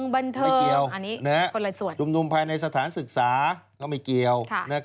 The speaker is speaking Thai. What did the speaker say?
บันเทิงคนละส่วนชุมนุมภายในสถานศึกษาก็ไม่เกี่ยว